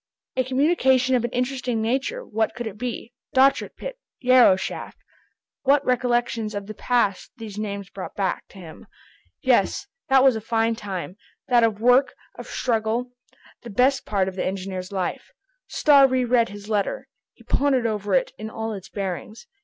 A communication of an interesting nature, what could it be? Dochart pit. Yarrow shaft! What recollections of the past these names brought back to him! Yes, that was a fine time, that of work, of struggle,—the best part of the engineer's life. Starr re read his letter. He pondered over it in all its bearings.